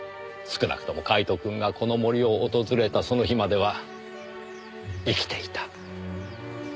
少なくともカイトくんがこの森を訪れたその日までは生きていた。